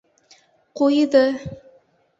Ҡуйҙы.